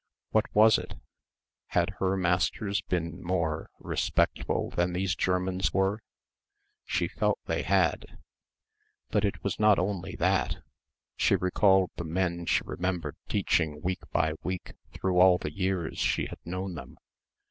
What was it? Had her masters been more respectful than these Germans were? She felt they had. But it was not only that. She recalled the men she remembered teaching week by week through all the years she had known them